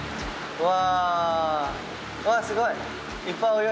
うわ！